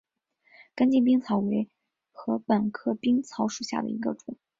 根茎冰草为禾本科冰草属下的一个种。